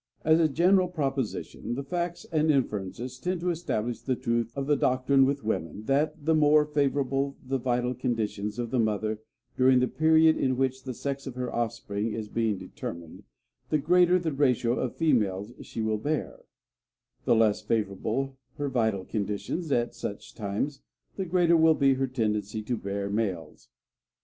As a general proposition, the facts and inferences tend to establish the truth of the doctrine with women, that, the more favorable the vital conditions of the mother during the period in which the sex of her offspring is being determined, the greater the ratio of females she will bear; the less favorable her vital conditions at such times, the greater will be her tendency to bear males.